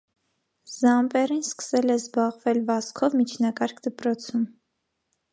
Զամպերին սկսել է զբաղվել վազքով միջնակարգ դպրոցում։